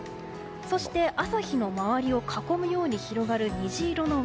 そして、朝日の周りを囲むように広がる虹色の輪